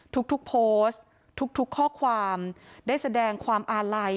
ทุกโพสต์ทุกข้อความได้แสดงความอาลัย